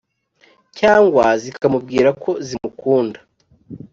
cyangwa zikamubwira ko zimukunda